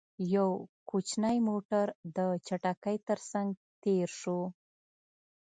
يو کوچينی موټر، په چټکۍ تر څنګ تېر شو.